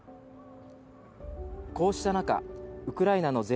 こうした中、ウクライナのゼ